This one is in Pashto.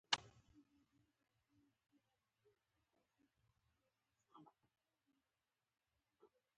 الوتکه د انسان اړتیا ته ځواب وايي.